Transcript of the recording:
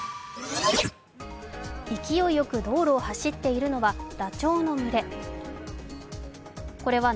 勢いよく道路を走っているのはダチョウの群れ。